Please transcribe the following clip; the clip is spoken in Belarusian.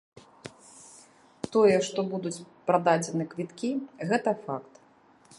Тое, што будуць прададзены квіткі, гэта факт.